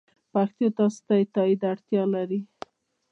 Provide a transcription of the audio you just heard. پښتو د تاسو د تایید اړتیا لري.